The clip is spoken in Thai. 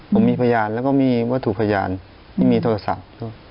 ผมมีพยานแล้วก็มีวิธีพิเศษที่มีโทรศัพท์